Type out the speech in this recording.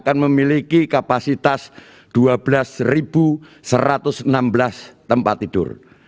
akan memiliki kapasitas dua belas satu ratus enam belas tempat tidur